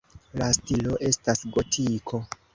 La stilo estas gotiko.